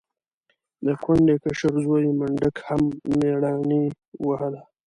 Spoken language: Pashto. د کونډې کشر زوی منډک هم مېړانې ووهله.